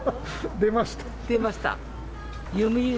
出ました。